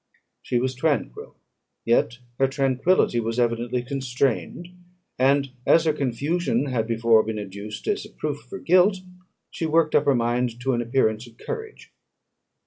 She was tranquil, yet her tranquillity was evidently constrained; and as her confusion had before been adduced as a proof of her guilt, she worked up her mind to an appearance of courage.